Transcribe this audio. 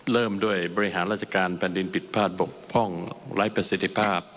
เริ่มด้วยบริหารราชการแผ่นดินผิดพลาดบกพร่องไร้ประสิทธิภาพ